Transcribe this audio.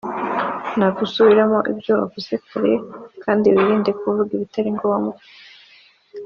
ntabwo usubiramo ibyo wavuze kare kandi wirinda kuvuga ibitari ngombwa